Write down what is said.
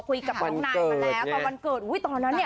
คุยกับน้องนายมาแล้วตอนวันเกิดอุ้ยตอนนั้นเนี่ย